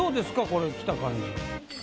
これ着た感じ。